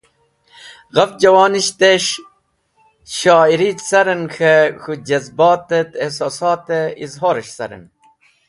Ghafch joyetkun jawonisht es̃h Shoiri caran k̃he k̃hu jazbat et ehsosote izhores̃h caren.